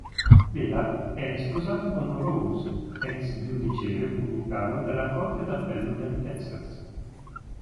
Vela è sposato con Rose, ex giudice repubblicano della Corte d'Appello del Texas.